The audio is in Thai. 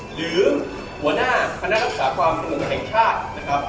หรือหัวหน้าคณะรักษาความสงบแห่งชาตินะครับ